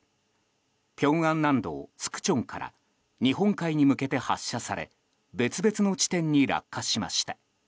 ピョンアン南道スクチョンから日本海に向けて発射され別々の地点に落下しました。